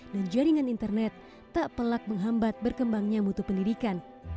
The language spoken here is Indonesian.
dan jaringan internet tak pelak menghambat berkembangnya mutu pendidikan